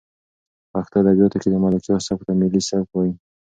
په پښتو ادبیاتو کې د ملکیار سبک ته ملي سبک وایي.